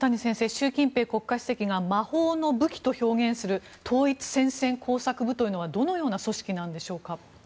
習近平国家主席が魔法の武器と表現する統一戦線工作部というのはどのような組織なんでしょうか。